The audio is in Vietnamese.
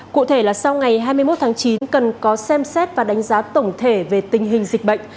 cụ thể là sau ngày hai mươi một tháng chín cần có xem xét và đánh giá tổng thể về tình hình dịch bệnh